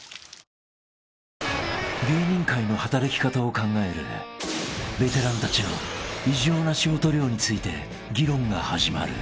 ［芸人界の働き方を考えるベテランたちの異常な仕事量について議論が始まる］